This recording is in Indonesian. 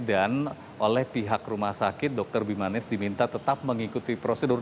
dan oleh pihak rumah sakit dr bimanesh diminta tetap mengikuti prosedur